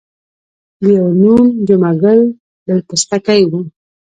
د یوه نوم جمعه ګل بل پستکی وو.